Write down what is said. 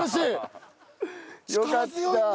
よかった。